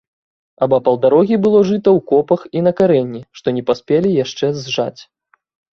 Абапал дарогі было жыта ў копах і на карэнні, што не паспелі яшчэ зжаць.